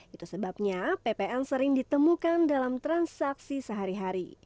itu sebabnya ppn sering ditemukan dalam transaksi sehari hari